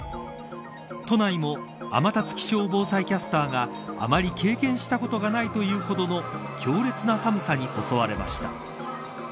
都内も天達気象防災キャスターがあまり経験したことがないというほどの強烈な寒さに襲われました。